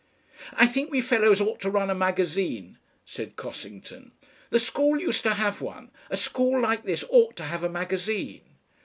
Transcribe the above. "I think we fellows ought to run a magazine," said Cossington. "The school used to have one. A school like this ought to have a magazine."